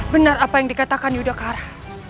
benar apa yang dikatakan yudhakara